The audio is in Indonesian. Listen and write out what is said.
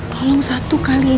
tolong satu kali ini